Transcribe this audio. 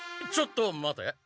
ちょっと待て。